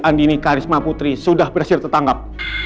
andini karisma putri sudah berhasil tertangkap